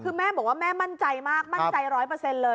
คือแม่บอกว่าแม่มั่นใจมากมั่นใจร้อยเปอร์เซ็นต์เลย